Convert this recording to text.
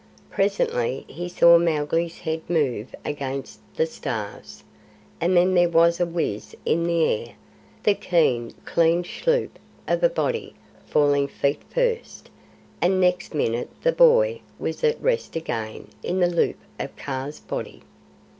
Presently he saw Mowgli's head move against the stars, and then there was a whizz in the air, the keen, clean schloop of a body falling feet first, and next minute the boy was at rest again in the loop of Kaa's body.